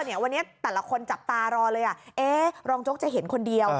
วันนี้แต่ละคนจับตารอเลยรองโจ๊กจะเห็นคนเดียว